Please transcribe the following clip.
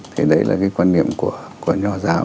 thì đấy là quan niệm của nhò giáo